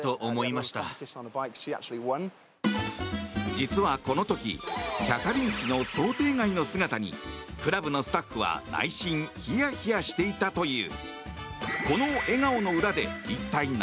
実は、この時キャサリン妃の想定外の姿にクラブのスタッフは内心ひやひやしていたという。